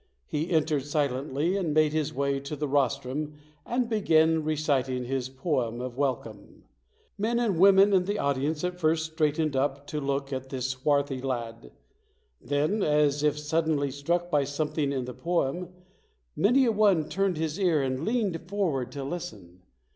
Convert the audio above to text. He entered silently and made his way to the rostrum and began reciting his poem of welcome. Men and women in the audi ence at first straightened up to look at this swarthy lad. Then, as if suddenly struck by something in the poem, many a one turned his ear and leaned forward to listen.